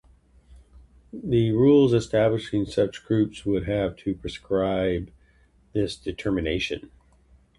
The rules establishing such groups would have to prescribe this determination.